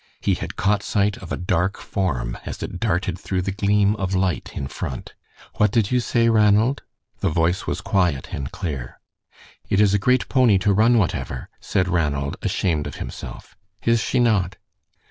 He had caught sight of a dark form as it darted through the gleam of light in front. "What did you say, Ranald?" The voice was quiet and clear. "It is a great pony to run whatever," said Ranald, ashamed of himself. "Is she not?"